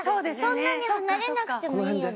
そんなに離れなくてもいいよ。